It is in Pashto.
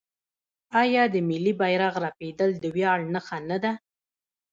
آیا د ملي بیرغ رپیدل د ویاړ نښه نه ده؟